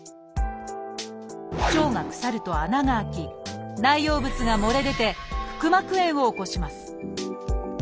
腸が腐ると穴が開き内容物が漏れ出て腹膜炎を起こします。